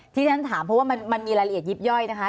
ที่ฉันถามเพราะว่ามันมีรายละเอียดยิบย่อยนะคะ